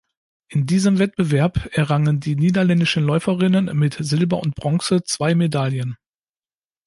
In diesem Wettbewerb errangen die niederländischen Läuferinnen mit Silber und Bronze zwei Medaillen.